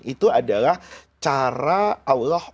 itu adalah cara allah